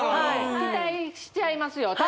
しちゃいますよ